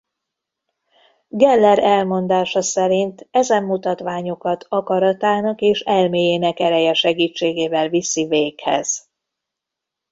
Geller elmondása szerint ezen mutatványokat akaratának és elméjének ereje segítségével viszi véghez.